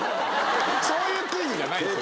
そういうクイズじゃないんですよ。